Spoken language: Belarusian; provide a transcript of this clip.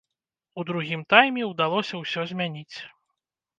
У другім тайме ўдалося ўсё змяніць.